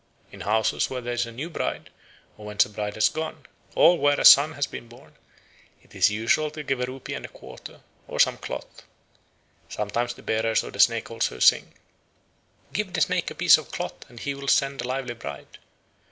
In houses where there is a new bride or whence a bride has gone, or where a son has been born, it is usual to give a rupee and a quarter, or some cloth. Sometimes the bearers of the snake also sing: "Give the snake a piece of cloth, and he will send a lively bride!"